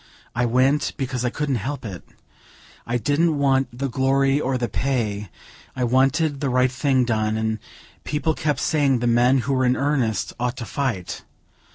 I went because I couldn't help it. I didn't want the glory or the pay; I wanted the right thing done, and people kept saying the men who were in earnest ought to fight.